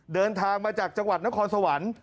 เดินทางมาจากจังหวัดนครสวรรค์